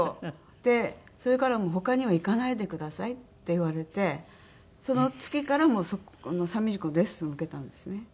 でそれから「もう他には行かないでください」って言われてその月からそこのサンミュージックのレッスンを受けたんですね。